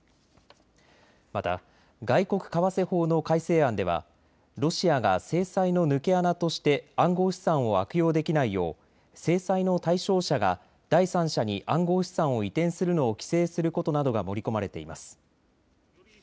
また、外国為替法の改正案ではロシアが制裁の抜け穴として暗号資産を悪用できないよう制裁の対象者が第三者に暗号資産を移転するのを規制することなどが盛り込まれています。